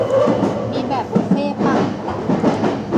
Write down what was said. มีแบบบุฟเฟ่ต์ป่ะ ?